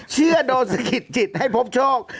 เชื่อโดนสะกิดจิดให้พบโชค